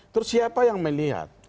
terus siapa yang melihat